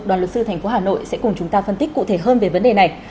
đoàn luật sư thành phố hà nội sẽ cùng chúng ta phân tích cụ thể hơn về vấn đề này